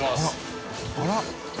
あら？